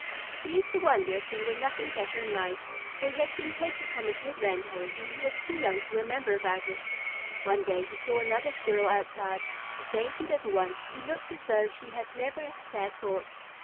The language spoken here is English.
He used to wonder if there were nothing better in life, for he had been taken from his woodland home when he was too young to remember about it. One day he saw another Squirrel outside, a dainty little one who looked as though she had never a sad thought.